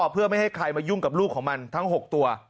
เพื่อไม่ให้ใครมายุ่งกับลูกของมันทั้ง๖ตัว